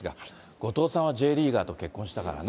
後藤さんはＪリーガーと結婚したからね。